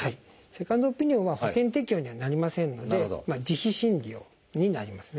セカンドオピニオンは保険適用にはなりませんので自費診療になりますね。